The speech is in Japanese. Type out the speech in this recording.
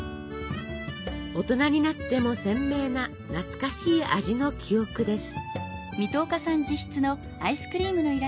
大人になっても鮮明な懐かしい味の記憶です。